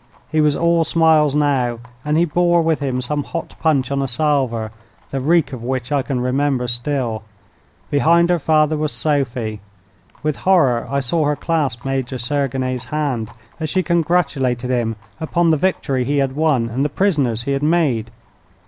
He was all smiles now, and he bore with him some hot punch on a salver, the reek of which I can remember still. Behind her father was Sophie. With horror I saw her clasp Major Sergine's hand as she congratulated him upon the victory he had won and the prisoners he had made.